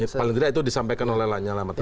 paling tidak itu disampaikan oleh lanyala matali